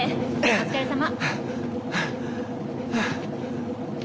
お疲れさま。